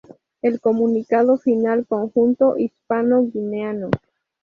El comunicado final conjunto hispano- guineano.